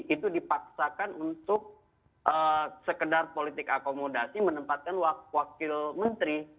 itu dipaksakan untuk sekedar politik akomodasi menempatkan wakil menteri